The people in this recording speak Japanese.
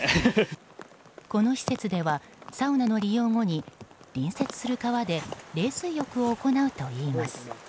この施設ではサウナの利用後に隣接する川で冷水浴を行うといいます。